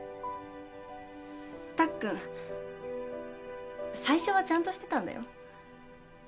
たっくん最初はちゃんとしてたんだよ。